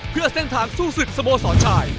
เพื่อเส้นทางสู้ศึกสโมสรชาย